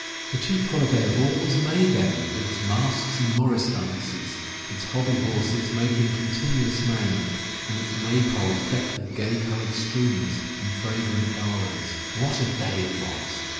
The chief holiday of all was May day with its masques and morris dances, its hobby horses making continuous merriment, and 154 THE LATCH KEY its maypoles decked with gay colored streamers and fragrant gar lands. What a day it was